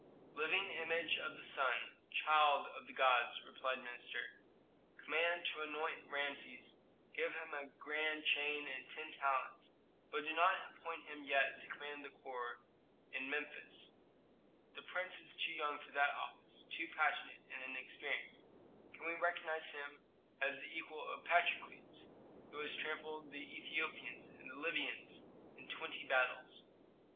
"Living image of the sun, child of the gods," replied the minister. "Command to anoint Rameses, give him a grand chain and ten talents, but do not appoint him yet to command the corps in Memphis. The prince is too young for that office, too passionate and inexperienced. Can we recognize him as the equal of Patrokles, who has trampled the Ethiopians and the Libyans in twenty battles?